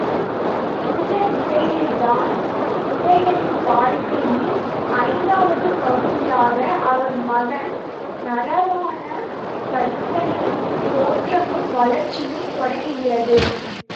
இந்த நிலையில்தான் உதயணனின் வாழ்க்கையில் ஐந்தாவது பகுதியாக அவன் மகன் நரவாண தத்தனின் தோற்றமும் வளர்ச்சியும் தொடங்குகிறது.